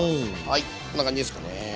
はいこんな感じですかね。